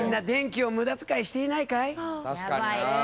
確かにな。